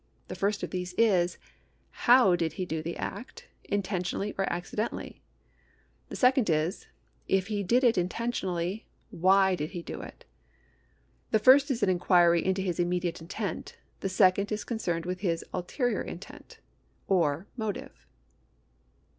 The first of these is : How did he do the act — intentionally or accidentally ? The second is : If he did it intentionally, why did he do it ? The first is an inc^uiry into his immediate intent ; the second is concerned with his ulterior intent, or motive.